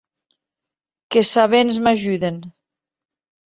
Qu’es sabents m’ajuden.